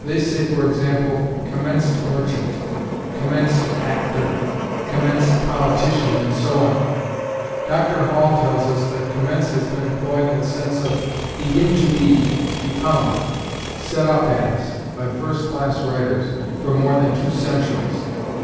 They say, for example, "commenced merchant," "commenced actor," "commenced politician," and so on. Dr. Hall tells us that commence has been employed in the sense of "begin to be," "become," "set up as," by first class writers, for more than two centuries.